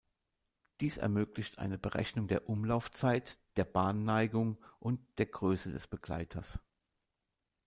Dies ermöglicht eine Berechnung der Umlaufzeit, der Bahnneigung und der Größe des Begleiters.